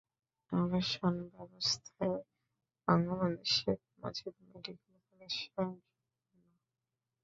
আবাসন ব্যবস্থায় Bangabandhu Sheikh Mujib medical college স্বয়ংসম্পূর্ণ।